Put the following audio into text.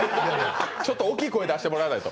ちょっと大きい声出してもらわないと。